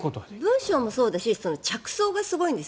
文章もそうだし着想がすごいんです。